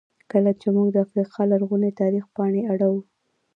کله چې موږ د افریقا لرغوني تاریخ پاڼې اړوو.